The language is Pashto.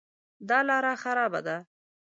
دا لاره خرابه ده